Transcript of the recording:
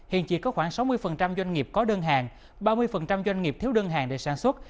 hiện chỉ có khoảng sáu mươi doanh nghiệp có đơn hàng ba mươi doanh nghiệp thiếu đơn hàng để sản xuất